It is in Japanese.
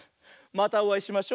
またおあいしましょ。